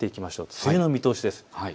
梅雨の見通しです。